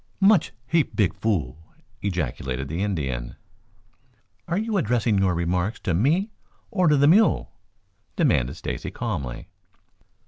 "Much heap big fool!" ejaculated the Indian. "Are you addressing your remarks to me or to the mule?" demanded Stacy calmly.